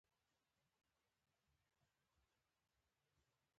د دې بیزو نوم اوسترالوپیتکوس و.